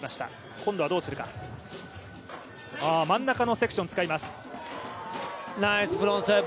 今度は真ん中のセクションを使います。